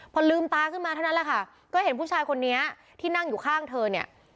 พอลืมตาขึ้นมาเท่านั้นแหละค่ะก็เห็นผู้ชายคนนี้ที่นั่งอยู่ข้างเธอเนี่ย